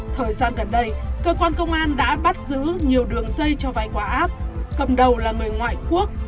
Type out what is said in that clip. thời gian gần đây cơ quan công an đã bắt giữ nhiều đường dây cho vay qua app cầm đầu là người ngoại quốc